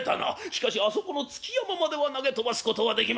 しかしあそこの築山までは投げ飛ばすことはできまい」。